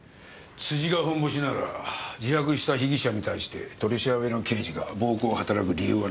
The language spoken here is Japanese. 辻が本ボシなら自白した被疑者に対して取り調べの刑事が暴行をはたらく理由はない。